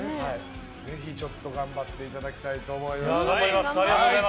ぜひ頑張っていただきたいと思います。